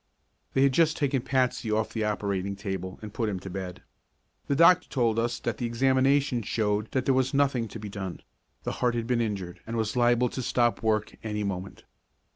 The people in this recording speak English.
They had just taken Patsy off the operating table and put him to bed. The doctor told us that the examination showed that there was nothing to be done; the heart had been injured and was liable to stop work any moment.